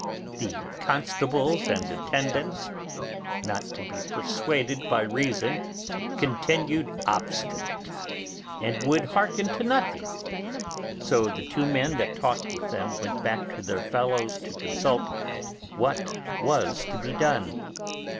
The constables and attendants, not to be persuaded by reason, continued obstinate, and would hearken to nothing; so the two men that talked with them went back to their fellows to consult what was to be done.